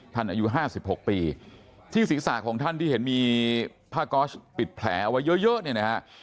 ท่านอายุห้าสิบหกปีที่ศิษย์ศาสตร์ของท่านที่เห็นมีผ้าก๊อชปิดแผลเอาไว้เยอะเยอะเนี่ยนะฮะ